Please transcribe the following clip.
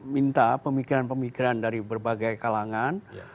minta pemikiran pemikiran dari berbagai kalangan